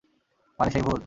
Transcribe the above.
মানে সেই ভূত?